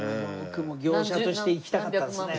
僕も業者として行きたかったですね。